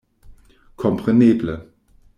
Kompreneble!